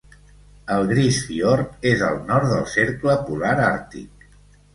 El Grise Fiord és al nord del cercle polar àrtic.